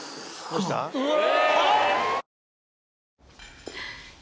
うわ！